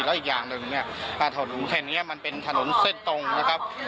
แล้วอีกอย่างหนึ่งเนี่ยถนนแห่งนี้มันเป็นถนนเส้นตรงนะครับ